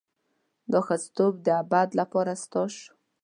دا ښځتوب د ابد لپاره ستا شو.